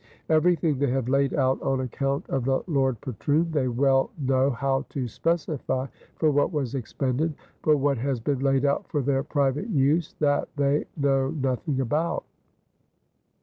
"Everything they have laid out on account of the Lord Patroon they well know how to specify for what was expended. But what has been laid out for their private use, that they know nothing about."